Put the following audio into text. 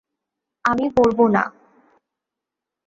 আমি পরব না।